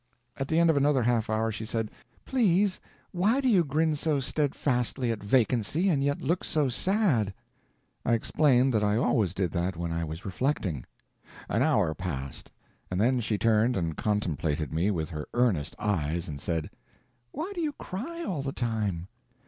At the end of another half hour she said, "Please, why do you grin so steadfastly at vacancy, and yet look so sad?" I explained that I always did that when I was reflecting. An hour passed, and then she turned and contemplated me with her earnest eyes and said, "Why do you cry all the time?"